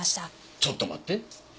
ちょっと待って。